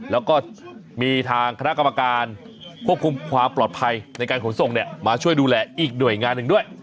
แล้วก็มีทางคณะกรรมการควบคุมความปลอดภัยในการขนส่งมาช่วยดูแลอีกหน่วยงานหนึ่งด้วย